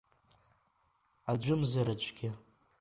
Аӡәымзар аӡәгьы…